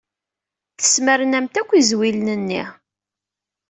Tesmernamt akk izwilen-nni.